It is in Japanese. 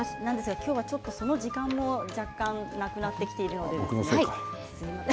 今日はその時間も若干なくなってきているので。